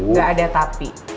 gak ada tapi